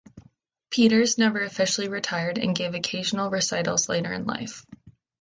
Peters never officially retired and gave occasional recitals later in life.